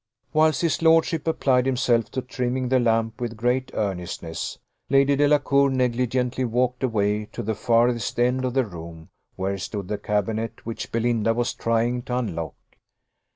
Whilst his lordship applied himself to trimming the lamp with great earnestness, Lady Delacour negligently walked away to the farthest end of the room, where stood the cabinet, which Belinda was trying to unlock.